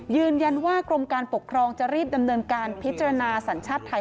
ยืนยันว่ากรมการปกครองจะรีบดำเนินการพิจารณาสัญชาติไทย